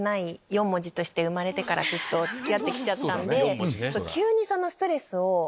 生まれてからずっと付き合ってきちゃったんで。